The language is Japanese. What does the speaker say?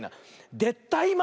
「でったいま！」